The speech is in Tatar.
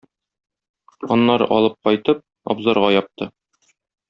Аннары алып кайтып, абзарга япты.